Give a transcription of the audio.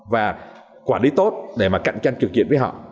và quản lý tốt để mà cạnh tranh trực diện với họ